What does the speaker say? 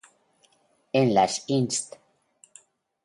En las "Inst.